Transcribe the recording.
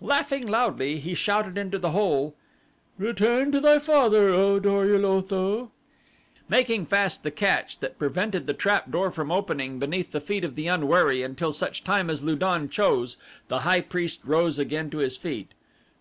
Laughing loudly he shouted into the hole: "Return to thy father, O Dor ul Otho!" Making fast the catch that prevented the trapdoor from opening beneath the feet of the unwary until such time as Lu don chose the high priest rose again to his feet.